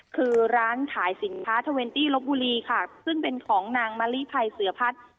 คือร้านขายสินค้าเทอร์เวนตี้ลบบุรีค่ะซึ่งเป็นของนางมะลิภัยเสือพัฒน์